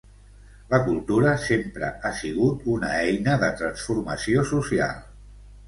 La cultura sempre ha sigut una eina de transformació social.